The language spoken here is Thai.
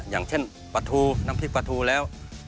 อย่างเช่นปลาทูน้ำพริกปลาทูแล้ว